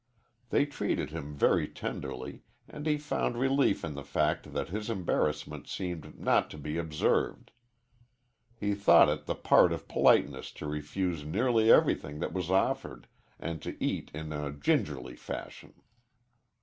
They treated him very tenderly, and he found relief in the fact that his embarrassment seemed not to be observed. He thought it the part of politeness to refuse nearly everything that was offered and to eat in a gingerly fashion.